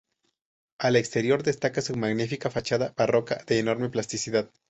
Al exterior destaca su magnífica fachada barroca de enorme plasticidad.